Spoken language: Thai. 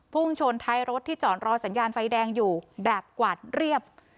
ชนท้ายรถที่จอดรอสัญญาณไฟแดงอยู่แบบกวาดเรียบ